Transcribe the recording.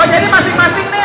oh jadi masing masing nih